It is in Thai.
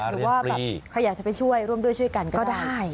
หรือว่าแบบใครอยากจะไปช่วยร่วมด้วยช่วยกันก็ได้